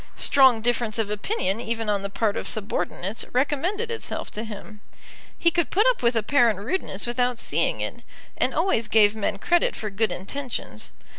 Strong difference of opinion even on the part of subordinates recommended itself to him. He could put up with apparent rudeness without seeing it, and always gave men credit for good intentions.